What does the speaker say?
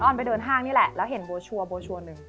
อ่อนไปเดินห้างนี่แหละแล้วเห็นโบชัวร์หนึ่ง